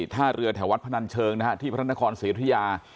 ท่าเรือแถววัดพนันเชิงนะฮะที่พระนครศรีธุยา